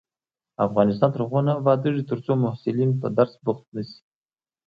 افغانستان تر هغو نه ابادیږي، ترڅو محصلین په درس بوخت نشي.